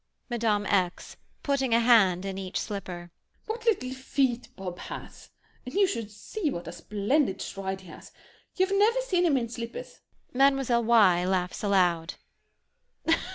] MME. X. [Putting a hand in each slipper.] What little feet Bob has! What? And you should see what a splendid stride he has! You've never seen him in slippers! [Mlle. Y. laughs aloud.